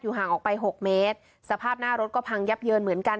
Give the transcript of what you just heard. ห่างออกไปหกเมตรสภาพหน้ารถก็พังยับเยินเหมือนกัน